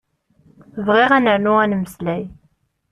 Bɣiɣ ad nernu ad nmeslay.